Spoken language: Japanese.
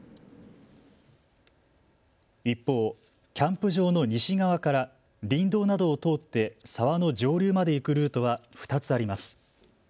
一方、キャンプ場の西側から林道などを通って沢の上流まで行くルートは２つあります。